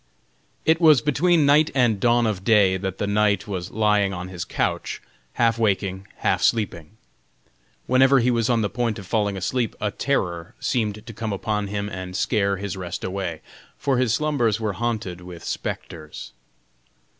It was between night and dawn of day that the knight was lying on his couch, half waking, half sleeping. Whenever he was on the point of falling asleep a terror seemed to come upon him and scare his rest away, for his slumbers were haunted with spectres.